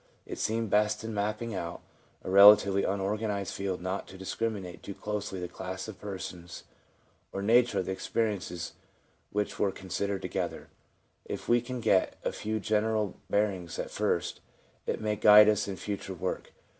It seemed best in mapping out a relatively unorganised field not to discriminate too closely the class of persons or nature of the experiences which were considered together. If we can get a few general bearings at first, it may guide us in future work.